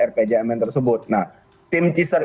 rpjmn tersebut nah tim ciser